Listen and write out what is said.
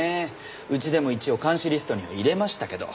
うちでも一応監視リストには入れましたけど。